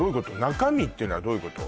中身っていうのはどういうこと？